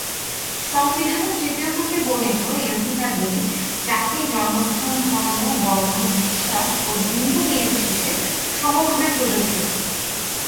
সংবিধানের তৃতীয় খণ্ডে বর্ণিত এই অধিকারগুলি জাতি, জন্মস্থান, ধর্ম, বর্ণ, বিশ্বাস ও লিঙ্গ নির্বিশেষে সমভাবে প্রযোজ্য।